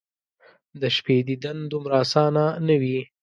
د شپې دیدن دومره اسانه ،نه وي